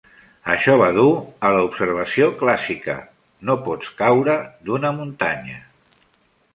Això va dur a l'observació clàssica "No pots caure d'una muntanya".